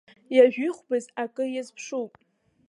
Ҩажәихәбаз акы иазԥшуп.